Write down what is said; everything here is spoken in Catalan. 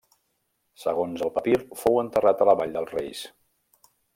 Segons el papir fou enterrat a la vall dels reis.